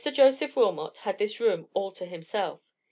Joseph Wilmot had this room all to himself.